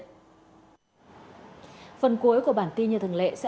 phần cuối của bản tin như thường lệ